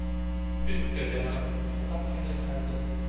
Üst göze anahtarı sokarken ürperdim.